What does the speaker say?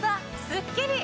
スッキリ！